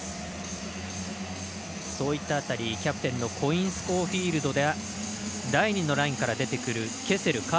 そういった辺り、キャプテンのコインスコーフィールドや第２のラインから出てくるケセル、